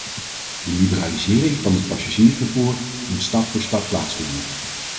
De liberalisering van het passagiersvervoer moet stap voor stap plaatsvinden.